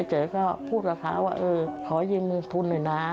เจอก็พูดกับเขาว่าขอยืมเงินทุนหน่อยนะ